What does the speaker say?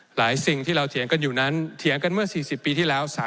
สิ่งที่เราเถียงกันอยู่นั้นเถียงกันเมื่อ๔๐ปีที่แล้ว